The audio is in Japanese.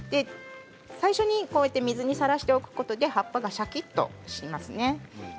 最初に水にさらしておくことで葉っぱがシャキっとしますね。